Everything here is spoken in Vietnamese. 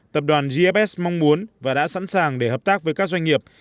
tập đoàn gfs mong muốn và đã sẵn sàng để hợp tác với các doanh nghiệp